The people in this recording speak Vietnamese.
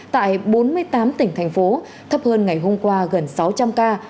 tại bốn mươi tám tỉnh thành phố thấp hơn ngày hôm qua gần sáu trăm linh ca